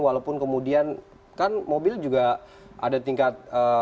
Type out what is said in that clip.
walaupun kemudian kan mobil juga ada tingkat